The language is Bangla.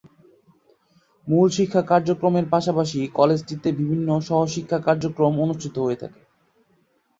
মূল শিক্ষা কার্যক্রমের পাশাপাশি কলেজটিতে বিভিন্ন সহ-শিক্ষা কার্যক্রম অনুষ্ঠিত হয়ে থাকে।